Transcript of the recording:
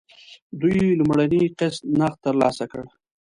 دوی لومړنی قسط نغد ترلاسه کړ.